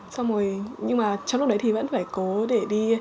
xong rồi nhưng mà trong lúc đấy thì vẫn phải cố để đi